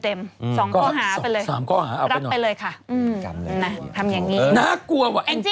สองข้อหาไปเลยรับไปเลยค่ะนะทำอย่างนี้น่ากลัวว่ะแองจี้